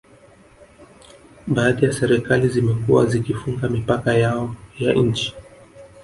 Baadhi ya serikali zimekuwa zikifunga mipaka yao ya nchi